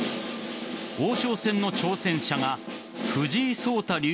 王将戦の挑戦者が藤井聡太